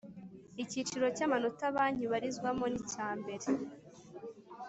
icyiciro cy amanota banki ibarizwamo ni cyambere